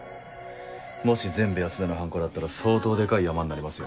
もし全部安田の犯行だったら相当デカいヤマになりますよ。